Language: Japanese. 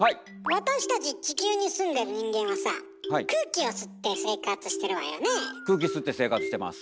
私たち地球に住んでる人間はさ空気吸って生活してます。